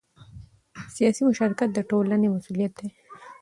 سیاسي مشارکت د ټولنې مسؤلیت دی